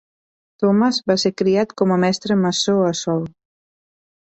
Thomas va ser criat com a mestre maçó a Sol.